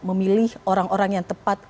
memilih orang orang yang tepat